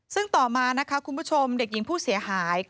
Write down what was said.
ซึ่งต่อมานะคะคุณผู้ชมเด็กหญิงผู้เสียหาย